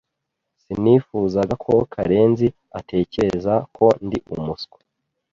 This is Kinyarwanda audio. Sinifuzaga ko Karenzi atekereza ko ndi umuswa.